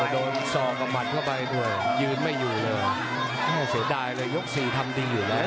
โดนซองกับหมัดเข้าไปด้วยยืนไม่อยู่เลยแม่เสียดายเลยยกสี่ทำดีอยู่แล้ว